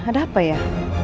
ada apa ya